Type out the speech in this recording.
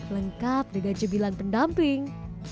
lengkap dengan jembilan pendamping